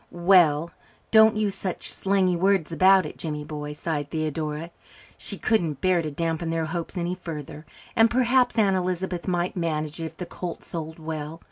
"Well, don't use such slangy words about it, Jimmy boy," sighed Theodora. She couldn't bear to dampen their hopes any further, and perhaps Aunt Elizabeth might manage it if the colt sold well.